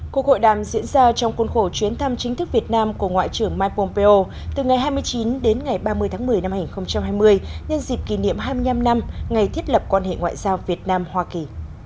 cuộc hội đàm diễn ra trong khuôn khổ chuyến thăm chính thức việt nam của ngoại trưởng mike pompeo từ ngày hai mươi chín đến ngày ba mươi tháng một mươi năm hai nghìn hai mươi nhân dịp kỷ niệm hai mươi năm năm ngày thiết lập quan hệ ngoại giao việt nam hoa kỳ